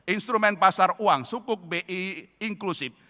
instrumen pasar uang sukuk bi inklusif